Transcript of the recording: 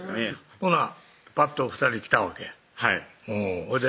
ほなぱっと２人来たわけはいほいで？